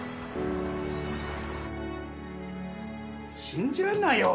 信じられないよ！